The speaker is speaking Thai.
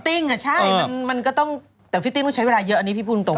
ฟิตติ้งอะใช่แต่ฟิตติ้งก็ใช้เวลาเยอะอันนี้พี่พูดตรง